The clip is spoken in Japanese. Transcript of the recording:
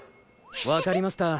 わかりました。